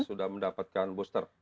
sudah mendapatkan booster